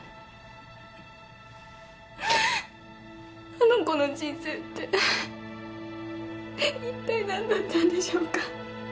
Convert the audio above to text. あの子の人生っていったい何だったんでしょうか。